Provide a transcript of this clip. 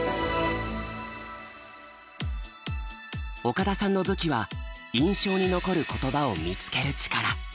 岡田さんの武器は印象に残る言葉を見つける力。